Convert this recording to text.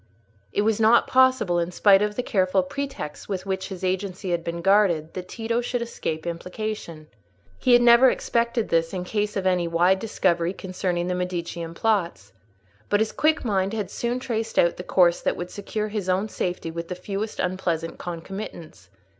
It was not possible, in spite of the careful pretexts with which his agency had been guarded, that Tito should escape implication: he had never expected this in case of any wide discovery concerning the Medicean plots. But his quick mind had soon traced out the course that would secure his own safety with the fewest unpleasant concomitants.